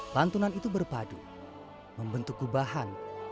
lantunan itu berpadu membentuk kubahan